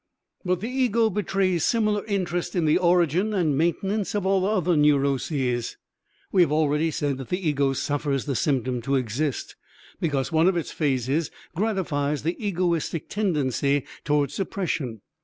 But the ego betrays similar interest in the origin and maintenance of all other neuroses. We have already said that the ego suffers the symptom to exist, because one of its phases gratifies the egoistic tendency toward suppression.